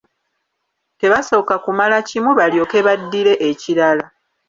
Tebasooka kumala kimu balyoke baddire ekirala.